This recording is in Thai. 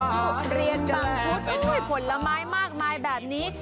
ต้องเรียนบางกฎด้วยผลไม้มากมายแบบนี้